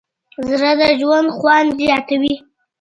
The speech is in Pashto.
زړه د ژوند خوند زیاتوي.